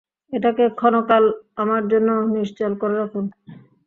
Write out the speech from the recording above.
এটাকে ক্ষণকাল আমার জন্যে নিশ্চল করে রাখুন!